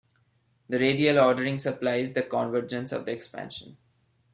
The radial ordering supplies the convergence of the expansion.